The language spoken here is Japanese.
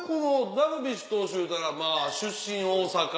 ダルビッシュ投手いうたらまぁ出身大阪。